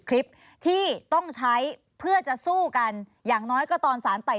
คลิปที่ต้องใช้เพื่อจะสู้กันอย่างน้อยก็ตอนสารไต่